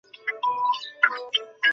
স্ত্রী ছাড়া সংসারে যাদবের কেহ নাই।